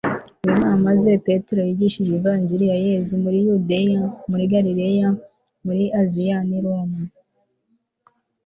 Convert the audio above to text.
w'intama ze. petero yigishije ivanjiri ya yezu muri yudeya, muri galileya, muri aziya n'i roma